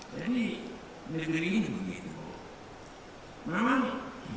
jadi negeri ini begitu